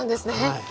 はい。